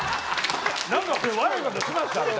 何か悪いことしました？みたいな。